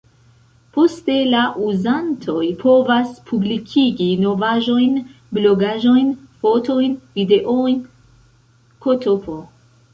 Poste la uzantoj povas publikigi novaĵojn, blogaĵojn, fotojn, videojn, ktp.